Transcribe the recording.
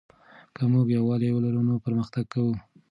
که موږ یووالی ولرو نو پرمختګ کوو.